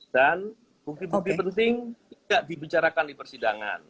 dan bukti bukti penting tidak dibicarakan di persidangan